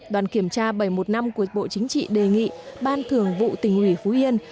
đoàn kiểm tra bảy một năm của bộ chính trị đề nghị ban thường vụ tình ủy phú yên